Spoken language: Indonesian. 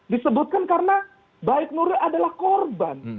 disebutkan karena baik nuril adalah korban